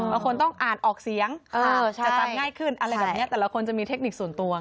บางคนต้องอ่านออกเสียงจะจำง่ายขึ้นอะไรแบบนี้แต่ละคนจะมีเทคนิคส่วนตัว